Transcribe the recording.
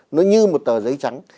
nó như một tờ giấy trắng